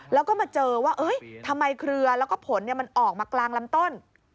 แล้วก็มาเจอว่าทำไมเครือแล้วก็ผลมันออกมากลางลำต้น